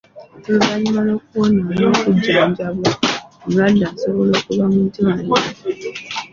Oluvannyuma lw'okuwona n'okujjanjabibwa, omulwadde asobola okuva mu ddwaliro.